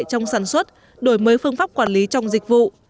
trong sản xuất đổi mới phương pháp quản lý trong dịch vụ